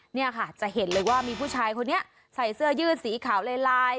เนี่ยค่ะจะเห็นเลยว่ามีผู้ชายคนนี้ใส่เสื้อยืดสีขาวลาย